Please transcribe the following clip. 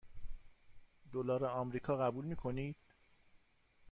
دلار آمریکا قبول می کنید؟